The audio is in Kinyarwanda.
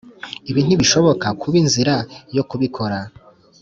ibi ntibishobora kuba inzira yo kubikora.